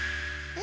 え？